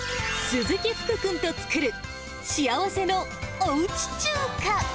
鈴木福君と作る、幸せのおうち中華。